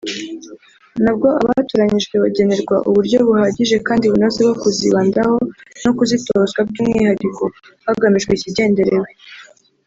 nabwo abatoranyijwe bagenerwa uburyo buhagije kandi bunoze bwo kuzibandaho no kuzitozwa by’umwihariko hagamijwe ikigenderewe